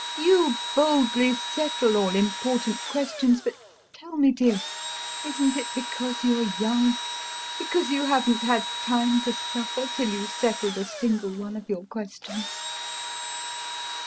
You boldly settle all important questions, but tell me, dear, isn't it because you're young, because you haven't had time to suffer till you settled a single one of your questions?